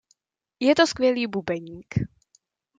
Je to skvělý bubeník.